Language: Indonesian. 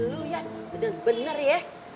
lu ya bener bener ya